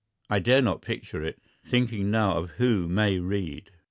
I dare not picture it—thinking now of who may read.